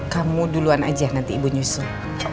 kamu duluan aja nanti ibu nyusul